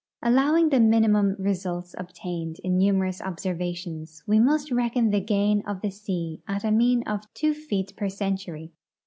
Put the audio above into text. Al lowing the minimum results obtained in numerous observations, Ave must reckon the gain of the sea at a mean of tAvo feet per century.